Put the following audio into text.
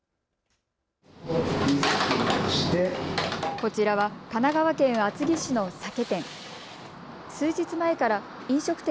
こちらは神奈川県厚木市の酒店。